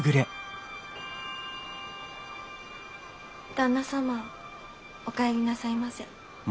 旦那様お帰りなさいませ。